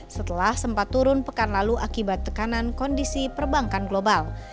setelah sempat turun pekan lalu akibat tekanan kondisi perbankan global